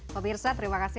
pemirsa terima kasih